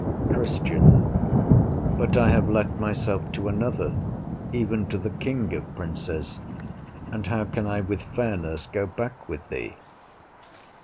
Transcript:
Christian But I have let myself to another, even to the King of Princes, and how can I with fairness go back with thee?